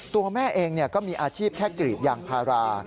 ตัวแม่เองก็มีอาชีพแค่กรีดยางพารา